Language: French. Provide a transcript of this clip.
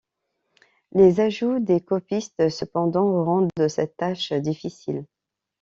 Les ajouts des copistes, cependant, rendent cette tâche difficile.